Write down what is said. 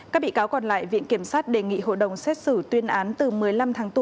các bị cáo còn lại viện kiểm sát đề nghị hội đồng xét xử tuyên án từ một mươi năm tháng tù